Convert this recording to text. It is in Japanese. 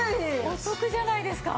お得じゃないですか！